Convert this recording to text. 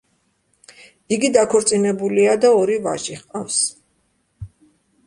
იგი დაქორწინებულია და ორი ვაჟი ჰყავს.